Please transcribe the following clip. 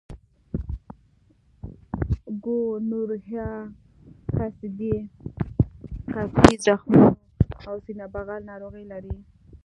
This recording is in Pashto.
ګونورهیا قصدي زخمونو او سینه بغل ناروغۍ لري.